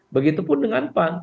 begitupun dengan pan